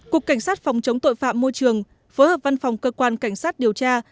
cục cảnh sát phòng chống tội phạm môi trường phối hợp văn phòng cơ quan cảnh sát điều tra